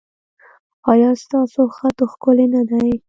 ایا ستاسو خط ښکلی نه دی؟